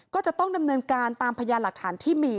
ก็จะต้องดำเนินการตามพยานหลักฐานที่มี